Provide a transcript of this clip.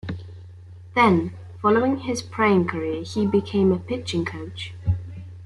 Then, following his playing career, he became a pitching coach.